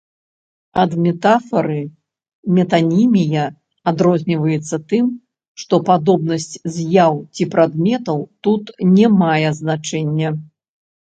Ад метафары метанімія адрозніваецца тым, што падобнасць з'яў ці прадметаў тут не мае значэння.